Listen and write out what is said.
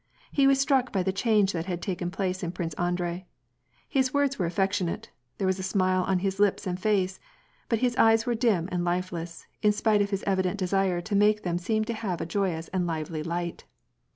He was struck by the change that had taken place in Prince Andrei. His words were affectionate ; there was a smile on his lips and face, but his eyes were dim and lifeless, in spite of his evident desire to make them seem to have a joyous and lively light.